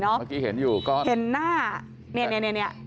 เมื่อกี้เห็นอยู่ก็เห็นหน้าเนี่ย